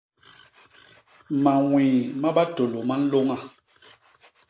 Mañwii ma batôlô ma nlôña.